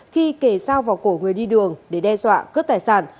khi kể sao vào cổ người đi đường để đe dọa cướp tài sản